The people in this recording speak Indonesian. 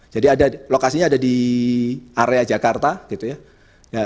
jadi ada lokasinya ada di area jakarta gitu ya